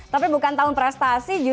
tapi bukan tahun prestasi